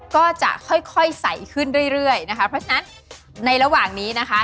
ก็จะค่อยใสขึ้นเรื่อยนะคะเพราะฉะนั้นในระหว่างนี้นะคะ